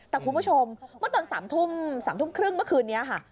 แต่คุณผู้ชมเมื่อตอน๓ทุ่ม๓ทุ่มครึ่งเมื่อคืนนี้ค่ะ